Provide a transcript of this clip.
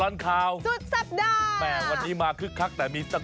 เฮ้ยเฮ้ยเฮ้ยเฮ้ยเฮ้ยเฮ้ยเฮ้ยเฮ้ยเฮ้ยเฮ้ยเฮ้ยเฮ้ย